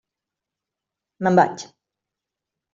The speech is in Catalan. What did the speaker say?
Me'n vaig.